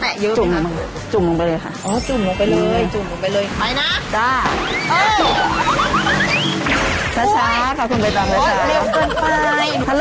แตะเยอะไปเลยนะจุ่มลงจุ่มลงไปเลยค่ะอ๋อจุ่มลงไปเลย